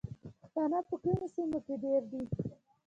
پښتانه په کومو سیمو کې ډیر دي؟